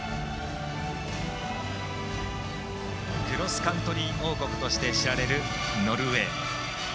クロスカントリー王国として知られるノルウェー。